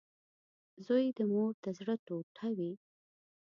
• زوی د مور د زړۀ ټوټه وي.